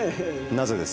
なぜです？